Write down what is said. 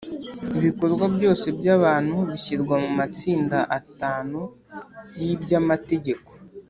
ibikorwa byose by’abantu bishyirwa mu matsinda atanu y’iby’amategeko